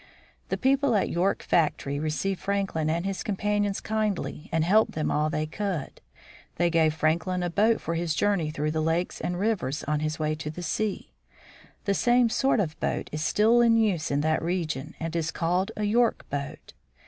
The people at York Factory received Franklin and his companions kindly and helped them all they could. They gave Franklin a boat for his journey through the lakes and rivers on his way to the sea. The same sort of boat is still in use in that region and is called a York boat.